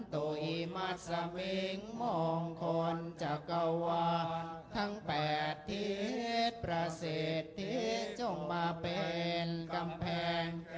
ตุหรี่มัสมิงมงคลจกวะทั้งแปดทิศประเสธทิศจงมาเป็นกำแผง